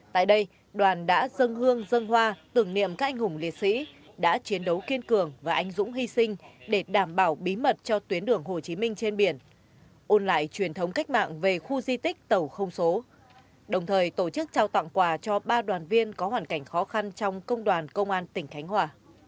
tại đây đoàn đã dân hương dân hoa tưởng niệm các anh hùng liệt sĩ đã chiến đấu kiên cường và anh dũng hy sinh để đảm bảo bí mật cho tuyến đường hồ chí minh trên biển ôn lại truyền thống cách mạng về khu di tích tàu không số đồng thời tổ chức trao tặng quà cho ba đoàn viên có hoàn cảnh khó khăn trong công đoàn công an tỉnh khánh hòa